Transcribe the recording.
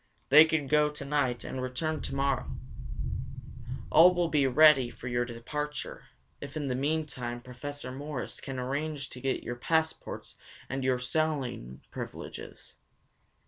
They can go tonight, and return tomorrow. All will then be ready for your departure, if in the meantime Professor Morris can arrange to get your passports and your sailing privileges."